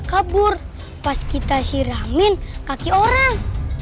thur pasti kita siramin kaki orang